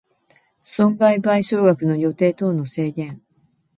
損害賠償額の予定等の制限